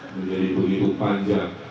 menjadi penipu panjang